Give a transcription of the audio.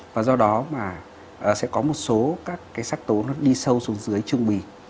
và do đó mà sẽ có một số các cái sắc tố nó đi sâu xuống dưới chung bì